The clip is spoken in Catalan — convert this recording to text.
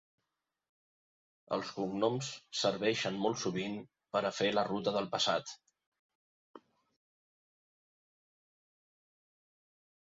Els cognoms serveixen molt sovint per a fer la ruta del passat.